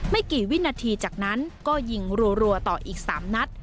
ไม่กี่วินาทีจากนั้นก็ยิงรัวต่ออีก๓นัด